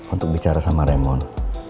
untuk bicara sama raymond